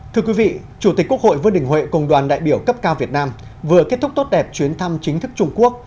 thưa quý vị chủ tịch quốc hội vương đình huệ cùng đoàn đại biểu cấp cao việt nam vừa kết thúc tốt đẹp chuyến thăm chính thức trung quốc